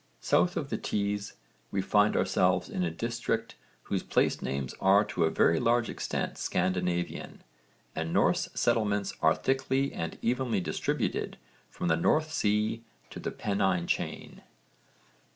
South of the Tees we find ourselves in a district whose place names are to a very large extent Scandinavian, and Norse settlements are thickly and evenly distributed from the North Sea to the Pennine chain.